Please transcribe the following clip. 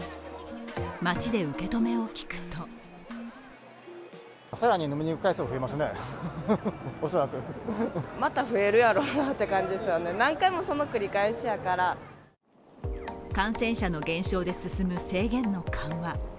街で受け止めを聞くと感染者の減少で進む制限の緩和。